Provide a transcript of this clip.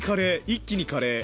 一気にカレー！